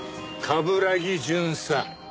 冠城巡査。